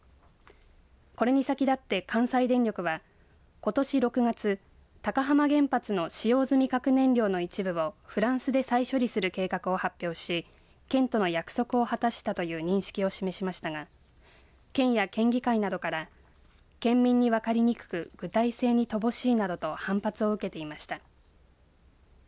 これに先立って関西電力はことし６月高浜原発の使用済み核燃料の一部をフランスで再処理する計画を発表し県との約束を果たしたという認識を示しましたが県や県議会などから県民に分かりにくく具体性に乏しいなどと反発を受けていました。